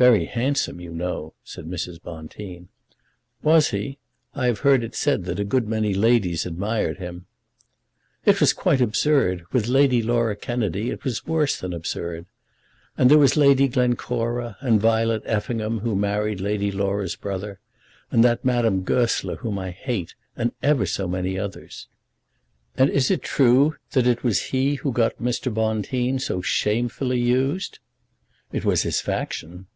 "Very handsome, you know," said Mrs. Bonteen. "Was he? I have heard it said that a good many ladies admired him." "It was quite absurd; with Lady Laura Kennedy it was worse than absurd. And there was Lady Glencora, and Violet Effingham, who married Lady Laura's brother, and that Madame Goesler, whom I hate, and ever so many others." "And is it true that it was he who got Mr. Bonteen so shamefully used?" "It was his faction."